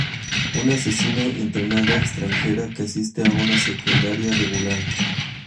Una asesina entrenada extranjera que asiste a una secundaria regular.